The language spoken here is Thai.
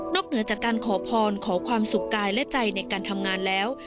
เหนือจากการขอพรขอความสุขกายและใจในการทำงานแล้ว